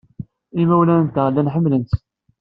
Imawlan-nteɣ llan ḥemmlen-tt.